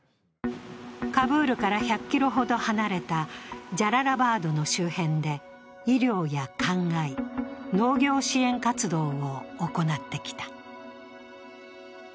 カブールから１００ｋｍほど離れたジャララバードの周辺で医療やかんがい、農業支援活動を行ってきた。